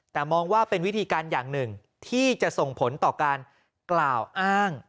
แต่มองว่าเป็นวิธีการอย่างหนึ่งที่จะส่งผลต่อการกล่าวอ้าง